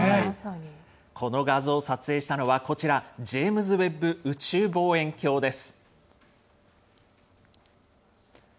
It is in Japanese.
この画像を撮影したのは、こちら、ジェームズ・ウェッブ宇宙望遠鏡です。